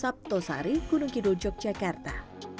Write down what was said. sabtosare gunung kidul yogyakarta